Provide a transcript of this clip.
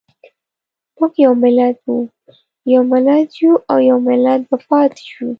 موږ یو ملت وو، یو ملت یو او يو ملت به پاتې شو.